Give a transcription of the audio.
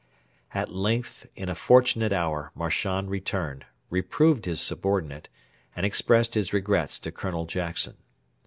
At length in a fortunate hour Marchand returned, reproved his subordinate, and expressed his regrets to Colonel Jackson.